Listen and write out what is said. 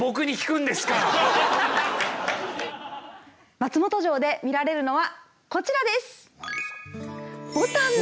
松本城で見られるのはこちらです。